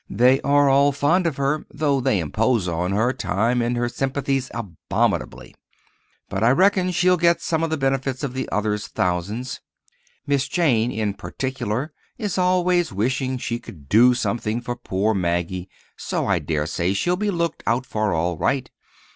They are all fond of her—though they impose on her time and her sympathies abominably. But I reckon she'll get some of the benefits of the others' thousands. Mrs. Jane, in particular, is always wishing she could do something for "Poor Maggie," so I dare say she'll be looked out for all right.